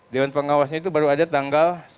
dewan pengawasnya itu baru ada tanggal